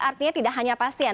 artinya tidak hanya pasien